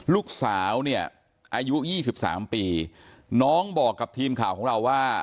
ลูกสาวเนี่ยอายุยี่สิบสามปีน้องบอกกับทีมข่าวของเราว่า